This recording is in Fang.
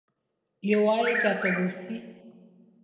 Ye wa ki tabe si ?